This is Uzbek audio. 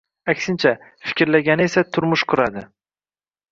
Aksincha, fikrlagani esa turmush quradi